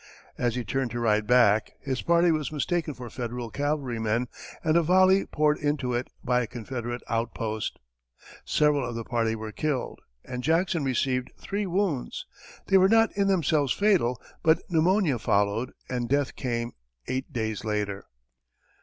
As he turned to ride back, his party was mistaken for Federal cavalrymen and a volley poured into it by a Confederate outpost. Several of the party were killed, and Jackson received three wounds. They were not in themselves fatal, but pneumonia followed, and death came eight days later.